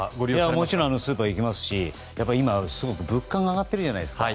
もちろんスーパー行きますし今、すごく物価が上がっているじゃないですか。